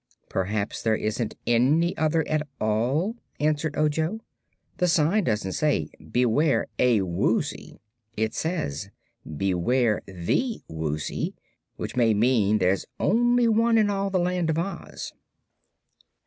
"Perhaps there isn't any other, at all," answered Ojo. "The sign doesn't say: 'Beware a Woozy'; it says: 'Beware the Woozy,' which may mean there's only one in all the Land of Oz."